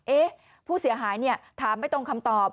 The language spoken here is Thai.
เอ๊ะผู้เสียหายเนี่ยถามไม่ตรงคำตอบ